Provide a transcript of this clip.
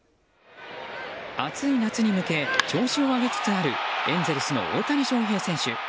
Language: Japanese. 暑い夏に向け調子を上げつつあるエンゼルスの大谷翔平選手。